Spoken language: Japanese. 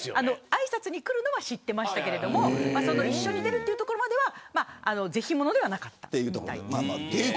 あいさつに来るのは知ってましたけど一緒に出るところまではぜひものではなかった。